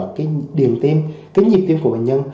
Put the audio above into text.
cái điện tim cái nhiệm tim của bệnh nhân